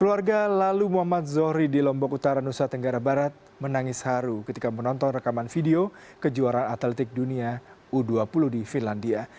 keluarga lalu muhammad zohri di lombok utara nusa tenggara barat menangis haru ketika menonton rekaman video kejuaraan atletik dunia u dua puluh di finlandia